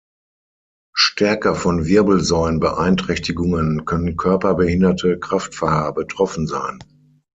Stärker von Wirbelsäulen-Beeinträchtigungen können körperbehinderte Kraftfahrer betroffen sein.